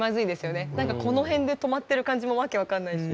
なんかこの辺で止まってる感じも訳分かんないし。